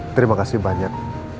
terima kasih banyak